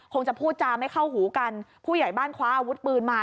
คงจะพูดจาไม่เข้าหูกันผู้ใหญ่บ้านคว้าอาวุธปืนมา